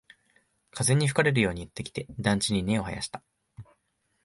風に吹かれるようにやってきて、団地に根を生やした